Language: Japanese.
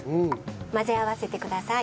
混ぜ合わせてください。